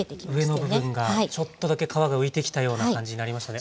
上の部分がちょっとだけ皮が浮いてきたような感じになりましたね。